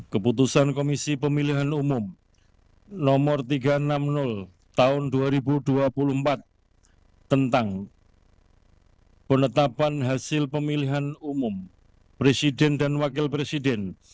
keputusan komisi pemilihan umum no tiga ratus enam puluh tahun dua ribu dua puluh empat tentang penetapan hasil pemilihan umum presiden dan wakil presiden